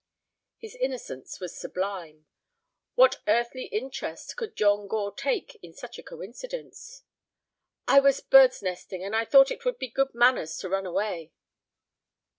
His innocence was sublime. What earthly interest could John Gore take in such a coincidence? "I was birds' nesting, and I thought it would be good manners to run away."